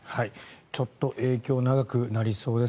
ちょっと影響が長くなりそうです。